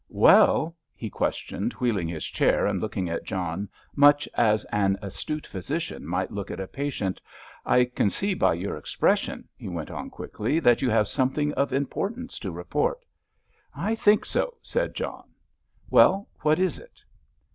"Well," he questioned, wheeling his chair and looking at John much as an astute physician might look at a patient; "I can see by your expression," he went on quickly, "that you have something of importance to report." "I think so," said John. "Well, what is it?"